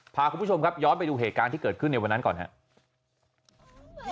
พาคุณผู้ชมครับย้อนไปดูเหตุการณ์ที่เกิดขึ้นในวันนั้นก่อนครับ